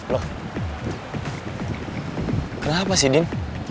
lo kenapa sih din